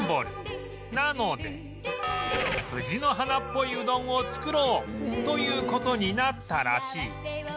なので藤の花っぽいうどんを作ろうという事になったらしい